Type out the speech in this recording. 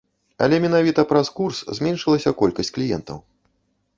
Але менавіта праз курс зменшылася колькасць кліентаў.